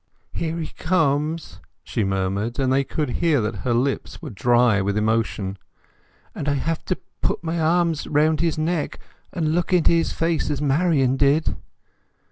"Here he comes," she murmured, and they could hear that her lips were dry with emotion. "And I have to put my arms round his neck and look into his face as Marian did."